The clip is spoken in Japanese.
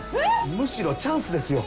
むしろチャンスですよ